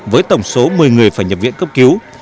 với tổng số một mươi người phải nhập viện cấp cứu